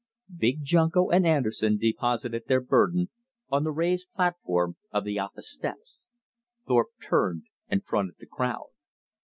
Big Junko and Anderson deposited their burden on the raised platform of the office steps. Thorpe turned and fronted the crowd.